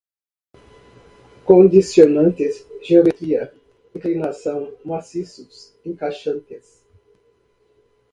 condicionantes, geometria, inclinação, maciços, encaixantes